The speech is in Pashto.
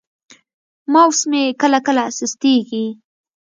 ماوس مې کله کله سستېږي.